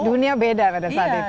dunia beda pada saat itu